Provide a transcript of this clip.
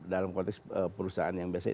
dalam konteks perusahaan yang biasanya